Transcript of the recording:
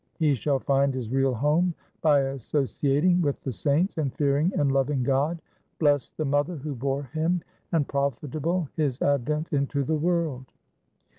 He shall find his real home by associating with the saints and fearing and loving God. Blest the mother who bore him ; and profitable his advent into the world.